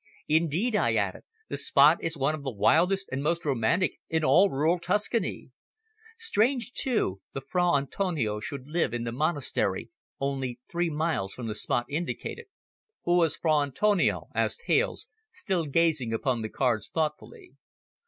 Indeed," I added, "the spot is one of the wildest and most romantic in all rural Tuscany. Strange, too, the Fra Antonio should live in the monastery only three miles from the spot indicated." "Who is Fra Antonio?" asked Hales, still gazing upon the cards thoughtfully.